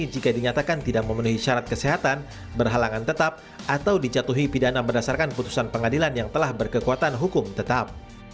jika dinyatakan tidak memenuhi syarat kesehatan berhalangan tetap atau dijatuhi pidana berdasarkan putusan pengadilan yang telah berkekuatan hukum tetap